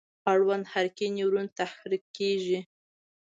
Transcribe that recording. اړوند حرکي نیورون تحریکیږي.